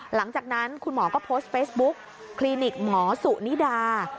หลังจากนั้นคุณหมอก็โพสต์เฟซบุ๊กคลินิกหมอสุนิดา